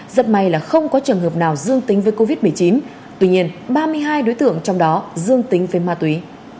rất may là không có trường hợp nào dương tính với covid một mươi chín tuy nhiên ba mươi hai đối tượng trong đó dương tính với ma túy